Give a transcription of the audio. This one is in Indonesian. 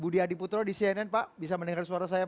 budi adiputro di cnn pak bisa mendengar suara saya